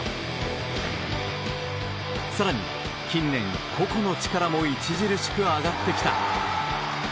更に、近年個々の力も著しく上がってきた。